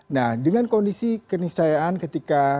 nah dengan kondisi keniscayaan ketika